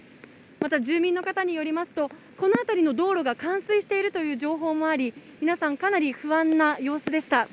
また住民の方によりますと、この辺りの道路が冠水しているという情報もあり、皆さんかなり不安な様子でした。